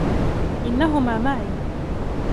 إنّهما معي.